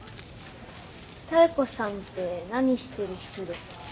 妙子さんって何してる人ですか？